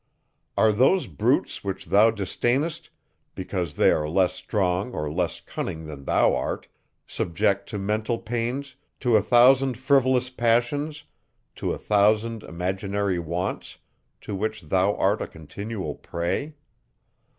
Are those brutes, which thou disdainest, because they are less strong or less cunning than thou art, subject to mental pains, to a thousand frivolous passions, to a thousand imaginary wants, to which thou art a continual prey?